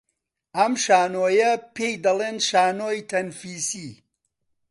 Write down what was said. ئەم شانۆییە پێی دەڵێن شانۆی تەنفیسی